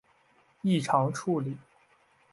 异常处理